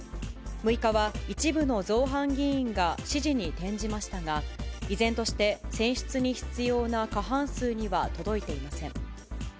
６日は一部の造反議員が支持に転じましたが、依然として、選出に必要な過半数には届いてません。